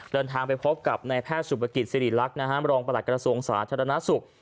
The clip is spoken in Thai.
เดินทางไปพบกับนายแพทย์สุปกิจสิริรักษ์รองประหลักกระทรวงสาธารณสุข